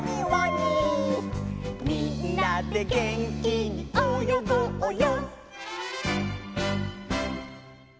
「みんなでげんきにおよごうよ」